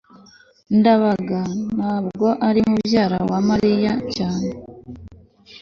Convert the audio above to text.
ndabaga ntabwo ari mubyara wa mariya cyane